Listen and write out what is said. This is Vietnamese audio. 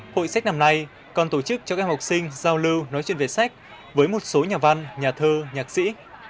hội sách năm nay còn tổ chức cho các em học sinh giao lưu nói chuyện về sách với một số nhà văn nhà thơ nhạc sĩ